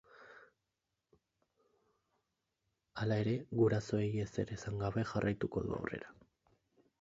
Hala ere, gurasoei ezer esan gabe jarraituko du aurrera.